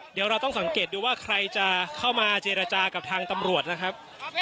เดี๋ยวเราต้องสังเกตดูว่าใครจะเข้ามาเจรจากับทางตำรวจนะครับ